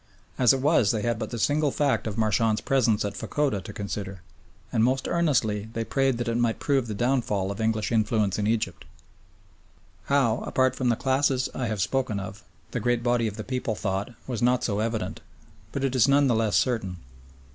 As it was they had but the single fact of Marchand's presence at Fachoda to consider, and most earnestly they prayed that it might prove the downfall of English influence in Egypt. How, apart from the classes I have spoken of, the great body of the people thought was not so evident, but it is none the less certain.